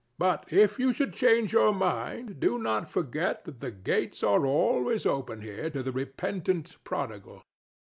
But if you should change your mind, do not forget that the gates are always open here to the repentant prodigal.